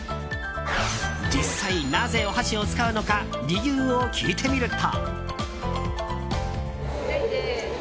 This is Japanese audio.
実際、なぜお箸を使うのか理由を聞いてみると。